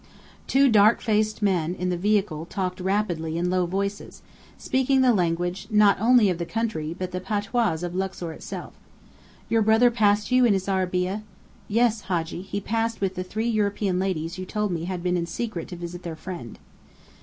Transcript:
The two dark faced men in the vehicle talked rapidly in low voices, speaking the language not only of the country but the patois of Luxor itself. "Your brother passed you in his arabeah?" "Yes, Hadji, he passed with the three European ladies you told me had been in secret to visit their friend."